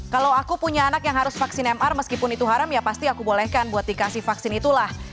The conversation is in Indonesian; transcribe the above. kalau aku punya anak yang harus vaksin mr meskipun itu haram ya pasti aku bolehkan buat dikasih vaksin itulah